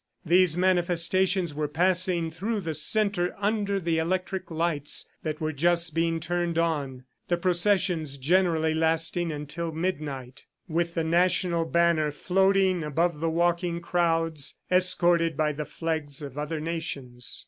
These manifestations were passing through the centre under the electric lights that were just being turned on, the processions generally lasting until midnight, with the national banner floating above the walking crowds, escorted by the flags of other nations.